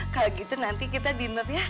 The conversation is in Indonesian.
kalau gitu nanti kita dinur ya